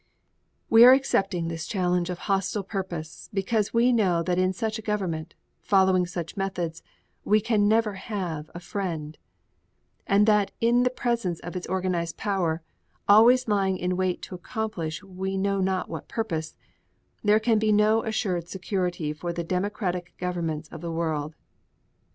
We are accepting this challenge of hostile purpose because we know that in such a government, following such methods, we can never have a friend; and that in the presence of its organized power, always lying in wait to accomplish we know not what purpose, there can be no assured security for the democratic governments of the world.